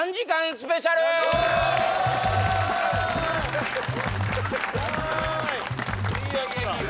スペシャルいや